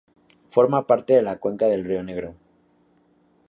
Forma parte de la cuenca del Río Negro.